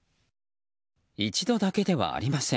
一度だけではありません。